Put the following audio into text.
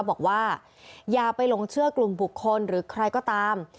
บอกว่าอย่าไปหลงเชื่อกลุ่มบุคคลหรือใครก็ตาม